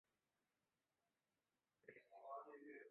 温水剧场分别分支为多套非政治类的生活漫画